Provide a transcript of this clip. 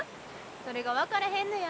それが分からへんのや。